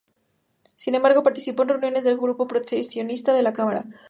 Sin embargo participó en reuniones del grupo proteccionista de la cámara.